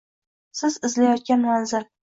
Siz izlayotgan manzil